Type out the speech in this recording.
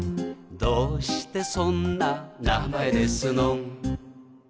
「どうしてそんな名前ですのん」